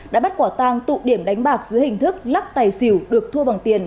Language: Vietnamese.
đã bắt quả tang tụ điểm đánh bạc dưới hình thức lắc tài xỉu được thua bằng tiền